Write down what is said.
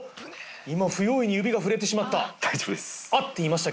今不用意に指が触れてしまった。